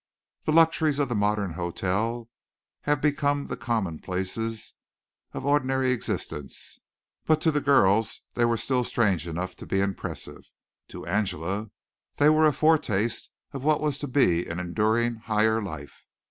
The luxuries of the modern hotel have become the commonplaces of ordinary existence, but to the girls they were still strange enough to be impressive. To Angela they were a foretaste of what was to be an enduring higher life.